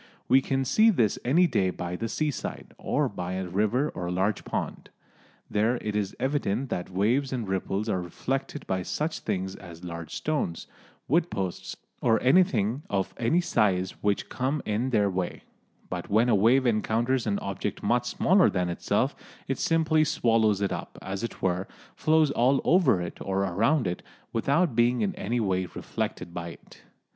We can see this any day by the seaside, or by a river or large pond. There it is evident that the waves and ripples are reflected by such things as large stones, wood posts or anything of any size which come in their way; but when a wave encounters an object much smaller than itself it simply swallows it up, as it were, flows all over it or around it, without being in any way reflected by it.